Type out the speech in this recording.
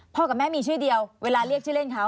กับแม่มีชื่อเดียวเวลาเรียกชื่อเล่นเขา